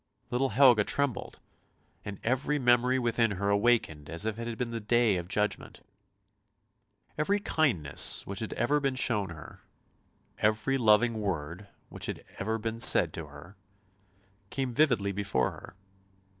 Little Helga trembled, and every memory within her was awakened as if it had been the day of Judgment. Every kindness which had ever been shown her, every loving word which had been said to her, came vividly before her.